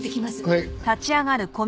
はい。